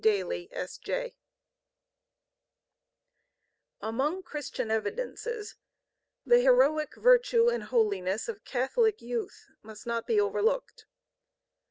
Daly, S.J. PREFACE Among Christian evidences the heroic virtue and holiness of Catholic youth must not be overlooked.